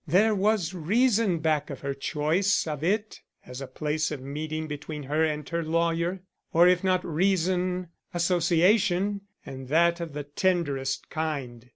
There was reason back of her choice of it as a place of meeting between her and her lawyer, or if not reason, association, and that of the tenderest kind.